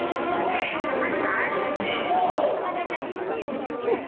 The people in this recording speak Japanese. ウッフフ。